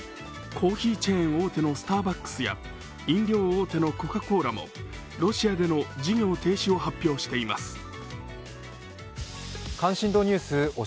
コーヒーチェーン大手のスターバックスや飲料大手のコカ・コーラもロシアでの事業停止を発表しています。